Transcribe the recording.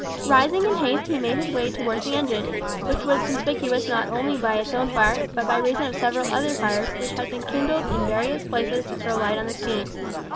Rising in haste he made his way towards the engine, which was conspicuous not only by its own fire, but by reason of several other fires which had been kindled in various places to throw light on the scene.